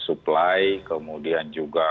supply kemudian juga